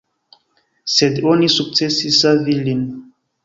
Sed oni sukcesis savi lin.